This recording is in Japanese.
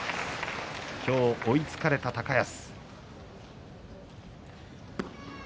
今日、追いつかれた高安。